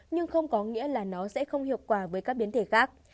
nhưng không có nghĩa là nó sẽ không hiệu quả với các biến thể khác